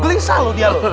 gelisah loh dia loh